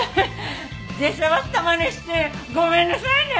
出しゃばったまねしてごめんなさいね。